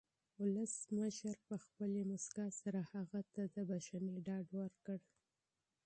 ولسمشر په خپلې مسکا سره هغه ته د بښنې ډاډ ورکړ.